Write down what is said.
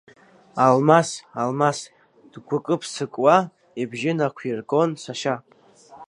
Алмас, Алмас, дгәыкы-ԥсыкуа ибжьы нақәиргон сашьа.